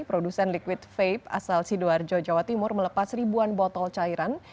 produsen liquid vape asal sidoarjo jawa timur melepas ribuan botol cairan